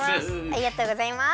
ありがとうございます。